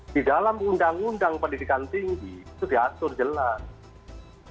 di dalam undang undang pendidikan tinggi itu diatur jelas